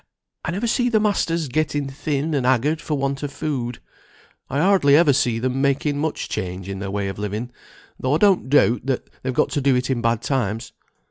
I never see the masters getting thin and haggard for want of food; I hardly ever see them making much change in their way of living, though I don't doubt they've got to do it in bad times.